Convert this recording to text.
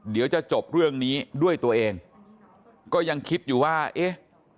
เดี๋ยวจะจบเรื่องนี้ด้วยตัวเองก็ยังคิดอยู่ว่าเอ๊ะ